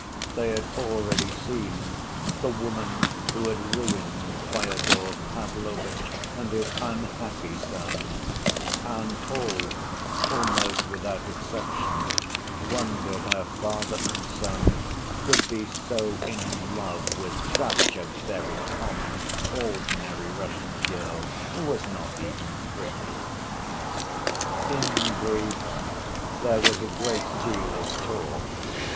They had already seen "the woman who had ruined Fyodor Pavlovitch and his unhappy son," and all, almost without exception, wondered how father and son could be so in love with "such a very common, ordinary Russian girl, who was not even pretty." In brief, there was a great deal of talk.